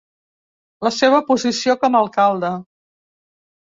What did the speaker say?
La seva posició com alcalde.